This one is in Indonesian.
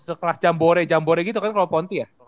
sekelas jambore jambore gitu kan kalau ponti ya